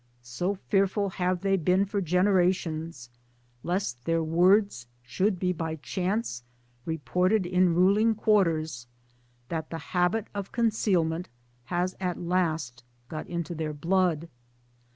So fearful have they been for generations lest their words should be by chance reported in ruling quarters that the habit of concealment has at last got into their blood.